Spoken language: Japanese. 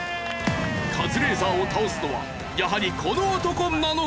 カズレーザーを倒すのはやはりこの男なのか？